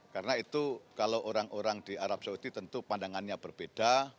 karena itu kalau orang orang di arab saudi tentu pandangannya berbeda